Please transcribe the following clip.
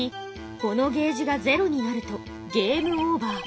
このゲージがゼロになるとゲームオーバー。